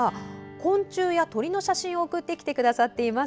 昆虫や鳥の写真を送ってきてくださっています。